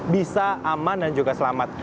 bisa aman dan juga selamat